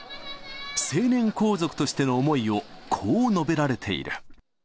成年皇族としての思いをこう述べられている。